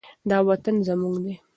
دا وطن زموږ دی.